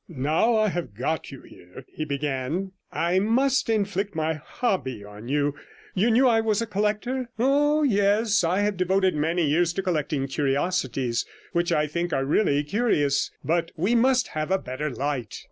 'Now I have got you here,' he began, 'I must inflict my hobby on you. You knew I was a collector? Oh yes, I have devoted many years to collecting curiosities, which I think are really curious. But we must have a better light.'